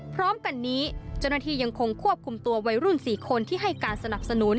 พร้อมกันนี้เจ้าหน้าที่ยังคงควบคุมตัววัยรุ่น๔คนที่ให้การสนับสนุน